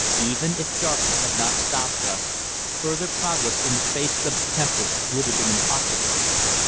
Even if darkness had not stopped us, further progress in the face of the tempest would have been impossible.